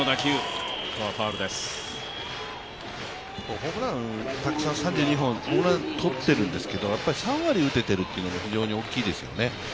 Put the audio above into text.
ホームランたくさん、３２本取っているんですけれども、３割打ててるというのも非常に大きいですよね。